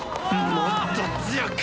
もっと強く！